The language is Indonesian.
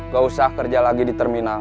gak usah kerja lagi di terminal